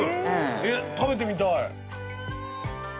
えっ食べてみたい。